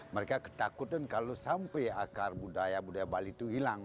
mereka ketakutan kalau sampai akar budaya budaya bali itu hilang